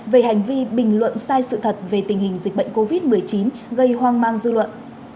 về hành vi bình luận sai sự thật về tình hình dịch bệnh covid một mươi chín gây hoang mang dư luận